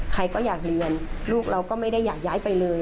ใครก็อยากเรียนลูกเราก็ไม่ได้อยากย้ายไปเลย